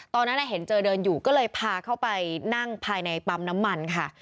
ตอนนั้นเห็นเจอเดินอยู่ก็เลยพาเข้าไปนั่งภายในปั๊มน้ำมันค่ะ